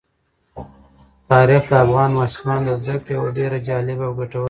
تاریخ د افغان ماشومانو د زده کړې یوه ډېره جالبه او ګټوره موضوع ده.